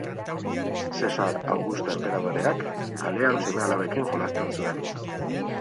Zesar Augusto enperadoreak, kalean seme-alabekin jolasten zuen.